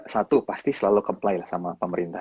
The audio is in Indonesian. satu pasti selalu comply lah sama pemerintah